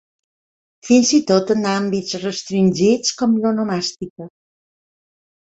Fins i tot en àmbits restringits com l'onomàstica.